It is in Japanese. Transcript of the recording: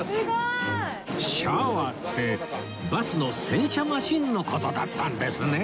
シャワーってバスの洗車マシンの事だったんですね